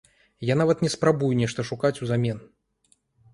Я нават не спрабую нешта шукаць узамен.